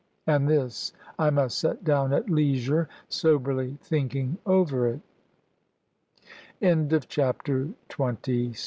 And this I must set down at leisure, soberly thinking over it. CHAPTER XXVIII.